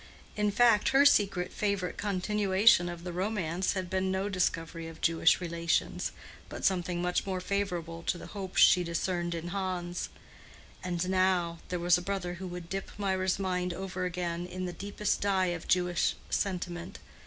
In fact, her secret favorite continuation of the romance had been no discovery of Jewish relations, but something much more favorable to the hopes she discerned in Hans. And now—here was a brother who would dip Mirah's mind over again in the deepest dye of Jewish sentiment.